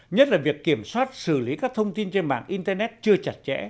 nhất là việc kiểm soát xử lý các thông tin trên mạng internet chưa chặt chẽ